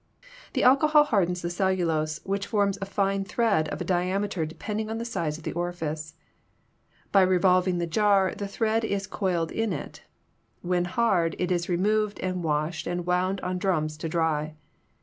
The alcohol hardens the cellulose, which forms a fine thread of a diameter depending on the size of the orifice. By re volving the jar, the thread is coiled in it. When hard, it is removed and washed and wound on drums to dry.